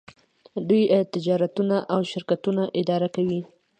دوی تجارتونه او شرکتونه اداره کوي.